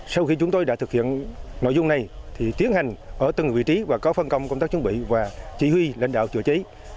sau khi chúng tôi đã thực hiện nội dung này thì tiến hành ở từng vị trí và có phân công công tác chuẩn bị và chỉ huy lãnh đạo chữa cháy